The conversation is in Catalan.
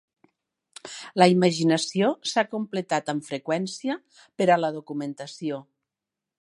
La imaginació s'ha completat amb freqüència per a la documentació.